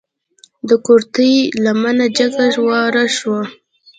د کورتۍ لمنه جګه واره شوه.